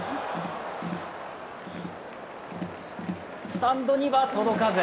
スタンドには届かず。